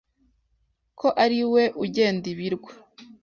Ko ari we ugenda ibirwa